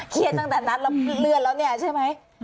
เครียดตั้งแต่นัดเรื่อนแล้วเนี่ยใช่ไหม